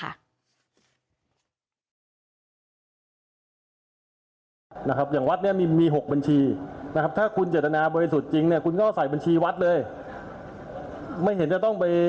๒๐ล้านบาทโดยประมาณ๑๙ล้านบาทแล้วก็เงินสดอีกประมาณ๘๐ล้าน